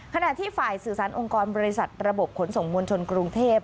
ขณะที่ฝ่ายสื่อสารองค์กรบริษัทระบบขนส่งมวลชนกรุงเทพ